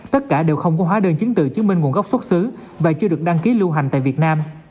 tất cả đều không có hóa đơn chứng từ chứng minh nguồn gốc xuất xứ và chưa được đăng ký lưu hành tại việt nam